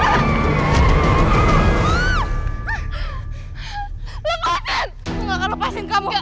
aku nggak akan lepasin kamu